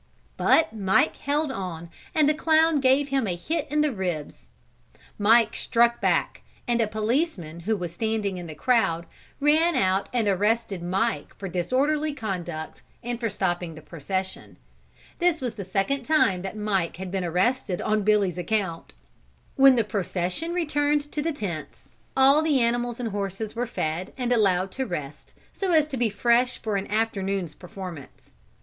But Mike held on and the clown gave him a hit in the ribs. Mike struck back and a policeman, who was standing in the crowd, ran out and arrested Mike for disorderly conduct and for stopping the procession. This was the second time that Mike had been arrested on Billy's account. When the procession returned to the tents, all the animals and horses were fed and allowed to rest so as to be fresh for the afternoon's performance.